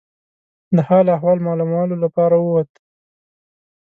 د حال احوال معلومولو لپاره ووت.